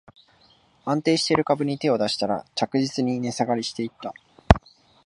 安定してる株に手を出したら、着実に値下がりしていった